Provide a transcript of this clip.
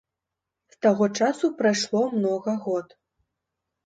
З таго часу прайшло многа год.